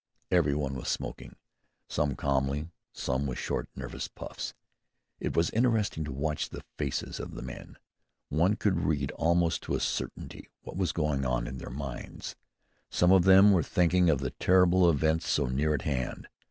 Every one was smoking some calmly, some with short, nervous puffs. It was interesting to watch the faces of the men. One could read, almost to a certainty, what was going on in their minds. Some of them were thinking of the terrible events so near at hand.